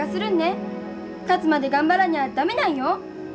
勝つまで頑張らにゃ駄目なんよ！